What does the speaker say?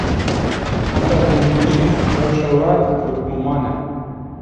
Heta hûn bijîn, rewşa we bi guman e.